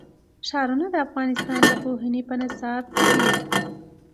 ښارونه د افغانستان د پوهنې په نصاب کې دي.